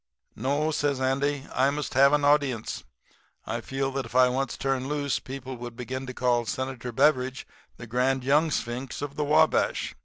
"'No,' says Andy, 'I must have an audience. I feel like if I once turned loose people would begin to call Senator Beveridge the Grand Young Sphinx of the Wabash.